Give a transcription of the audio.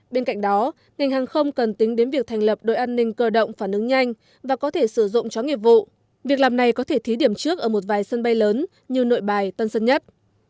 bên cạnh đó ngành hàng không cần tính đến việc thành lập đội an ninh cơ động phản ứng nhanh và có thể sử dụng chó nghiệp vụ việc làm này có thể thí điểm trước ở một vài sân bay lớn như nội bài tân sơn nhất